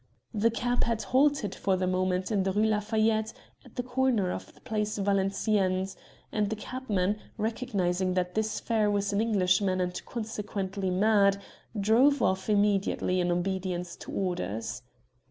The cab had halted for the moment in the Rue Lafayette, at the corner of the Place Valenciennes, and the cabman, recognizing that his fare was an Englishman and consequently mad, drove off immediately in obedience to orders.